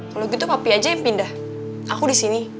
kalo gitu papi aja yang pindah aku disini